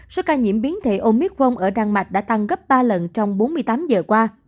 số ca nhiễm biến thể omicron ở đan mạch đã tăng gấp ba lần trong bốn mươi tám giờ qua